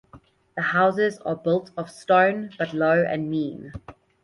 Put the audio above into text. The houses are built of stone, but low and mean.